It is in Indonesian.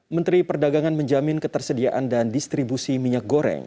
menteri perdagangan menjamin ketersediaan dan distribusi minyak goreng